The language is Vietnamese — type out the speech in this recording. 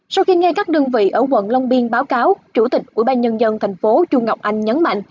sau khi nghe các đơn vị ở quận long biên báo cáo chủ tịch ủy ban nhân dân thành phố chu ngọc anh nhấn mạnh